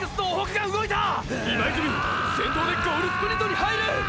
今泉も先頭でゴールスプリントに入る！！